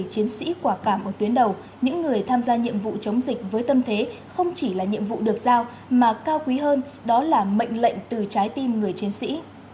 chiến sĩ quả cảm của tuyến đầu những người tham gia nhiệm vụ chống dịch với tâm thế không chỉ là nhiệm vụ được giao mà cao quý hơn đó là mệnh lệnh từ trái tim người chiến sĩ